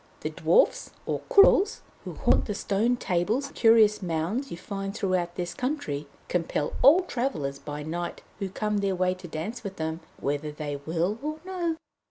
The Dwarfs, or Courils, who haunt the stone tables and curious mounds you find throughout this country, compel all travellers by night who come their way to dance with them, whether they will or no.